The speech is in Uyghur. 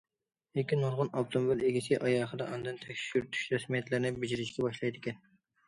لېكىن نۇرغۇن ئاپتوموبىل ئىگىسى ئاي ئاخىرىدا ئاندىن تەكشۈرتۈش رەسمىيەتلىرىنى بېجىرىشكە باشلايدىكەن.